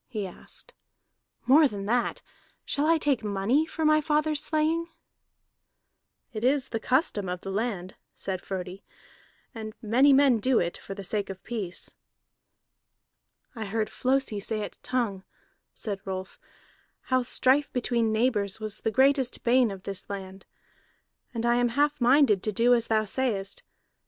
he asked. "More than that, shall I take money for my father's slaying?" "It is the custom of the land," said Frodi, "and many men do it for the sake of peace." "I heard Flosi say at Tongue," said Rolf, "how strife between neighbors was the greatest bane of this land. And I am half minded to do as thou sayest.